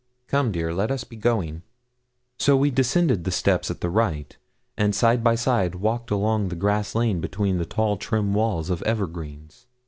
Come, dear; let us be going.' So we descended the steps at the right, and side by side walked along the grass lane between tall trim walls of evergreens.